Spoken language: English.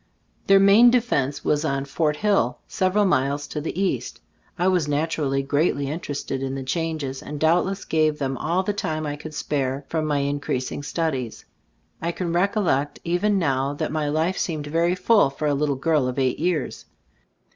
Their main defense was on "Fort Hill," several miles to the east. I was naturally greatly interested in the changes, and doubtless gave them all the time I could spare from my in Gbe Storg of Ag Cbi l&boo& 4< creasing studies. I can recollect even now that my life seemed very full for a little girl of eight years.